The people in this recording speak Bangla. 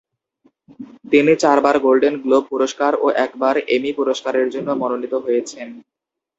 তিনি চারবার গোল্ডেন গ্লোব পুরস্কার ও একবার এমি পুরস্কারের জন্য মনোনীত হয়েছেন।